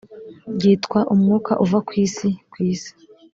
byitwa umwuka uvakwisi kw ‘isi .